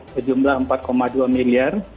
sejumlah empat dua miliar